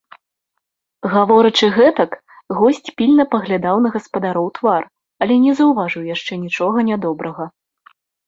Гаворачы гэтак, госць пільна паглядаў на гаспадароў твар, але не заўважыў яшчэ нічога нядобрага.